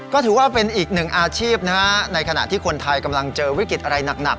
ก็ถือว่าเป็นอีกหนึ่งอาชีพนะฮะในขณะที่คนไทยกำลังเจอวิกฤตอะไรหนัก